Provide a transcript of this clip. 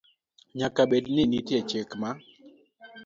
Nyaka bed ni nitie chik ma